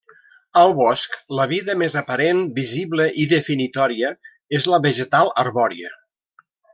Al bosc la vida més aparent, visible, i definitòria és la vegetal arbòria.